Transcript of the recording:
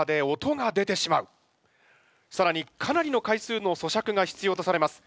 更にかなりの回数のそしゃくが必要とされます。